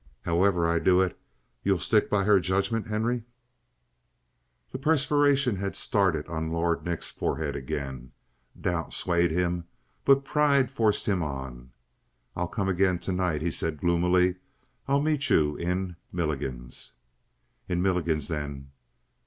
"However I do it, you'll stick by her judgment, Henry?" The perspiration had started on Lord Nick's forehead again. Doubt swayed him, but pride forced him on. "I'll come again tonight," he said gloomily. "I'll meet you in Milligan's?" "In Milligan's, then."